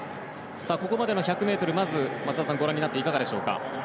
ここまでの１００ｍ松田さん、ご覧になっていかがでしょうか？